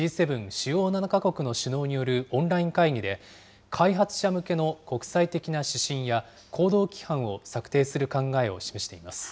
主要７か国による首脳によるオンライン会議で、開発者向けの国際的な指針や、行動規範を策定する考えを示しています。